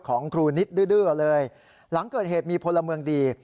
ของครูนิดดื้อเลยหลังเกิดเหตุมีพลเมืองดี